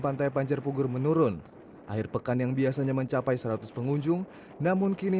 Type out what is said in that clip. pantai banjarpugur menurun akhir pekan yang biasanya mencapai seratus pengunjung namun kini